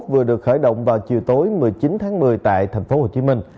vừa được khởi động vào chiều tối một mươi chín tháng một mươi tại tp hcm